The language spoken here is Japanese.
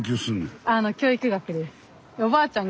えっおばあちゃん？